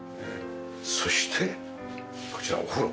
そしてこちらお風呂。